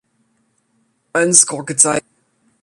Ansgar gezeigt.